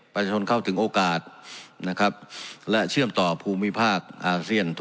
ประชาชนเข้าถึงโอกาสนะครับและเชื่อมต่อภูมิภาคอาเซียน